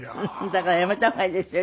だからやめた方がいいですよ